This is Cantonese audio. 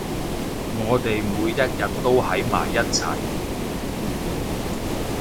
我哋每一日都喺埋一齊